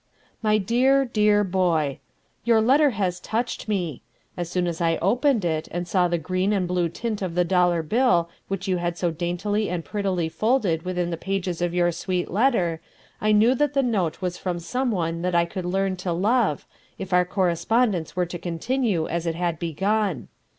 "MY DEAR, DEAR BOY, "Your letter has touched me. As soon as I opened it and saw the green and blue tint of the dollar bill which you had so daintily and prettily folded within the pages of your sweet letter, I knew that the note was from someone that I could learn to love, if our correspondence were to continue as it had begun.